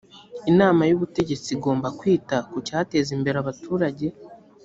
inama y’ubutegetsi igomba kwita ku cyateza imbere abaturage